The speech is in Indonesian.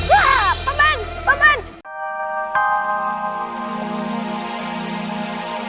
itu hal yang mudah untukku